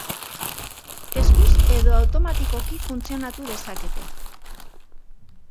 Eskuz edo automatikoki funtzionatu dezakete.